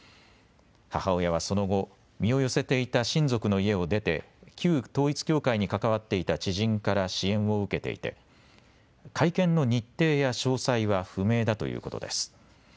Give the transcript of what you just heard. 母親はその後、身を寄せていた親族の家を出て旧統一教会に関わっていた知人から支援を受けていて会見の日程や詳細は不明だということです。